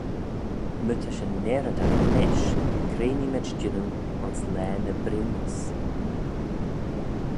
My ta shin neareydagh nish, cre neemayd jannoo ayns laa ny briwnys.